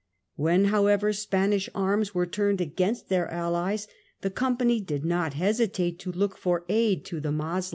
When, how ^^^^^^^ ever, Spanish arms were turned against their allies the "^^^^^ i"to Company did not hesitate to look for aid to the Moslem.